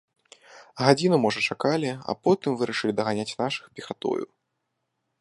Гадзіну, можа, чакалі, а потым вырашылі даганяць нашых пехатою.